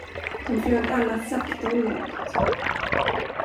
De flög alla sakta och lågt.